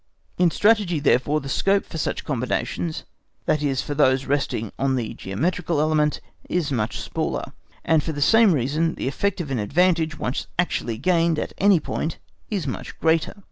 In Strategy therefore the scope for such combinations, that is for those resting on the geometrical element, is much smaller, and for the same reason the effect of an advantage once actually gained at any point is much greater.